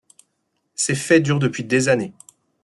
Ces faits durent depuis des années.